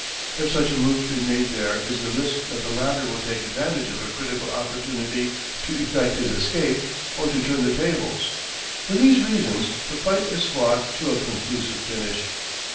If such a move be made there is the risk that the latter will take the advantage of a critical opportunity to effect his escape, or to turn the tables. For these reasons the fight is fought to a conclusive finish.